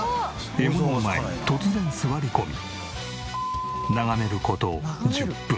獲物の前に突然座り込み眺める事１０分。